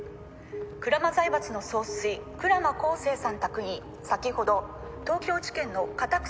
「鞍馬財閥の総帥鞍馬光聖さん宅に先ほど東京地検の家宅捜索が入りました」